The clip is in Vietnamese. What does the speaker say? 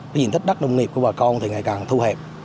cái diện tích đất nông nghiệp của bà con thì ngày càng thu hẹp